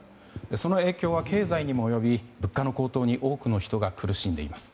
その影響は経済にも及び物価の高騰に多くの人が苦しんでいます。